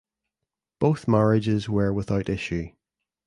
Both marriages were without issue.